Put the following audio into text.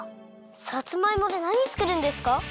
さつまいもでなにつくるんですか？